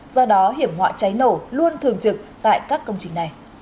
do đó hiểm họa cháy nổ luôn thường trực tại các công trình này